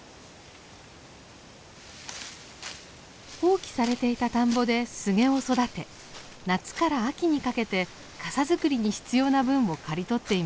放棄されていた田んぼでスゲを育て夏から秋にかけて笠作りに必要な分を刈り取っています。